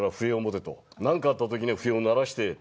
何かあったときには笛を鳴らして。